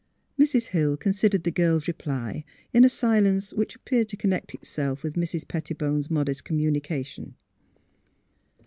Mrs. Hill considered the girl's reply in a silence which appeared to connect itself with Mrs. Petti bone 's modest communication.